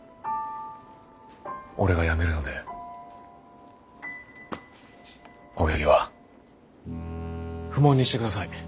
俺が辞めるので青柳は不問にしてください。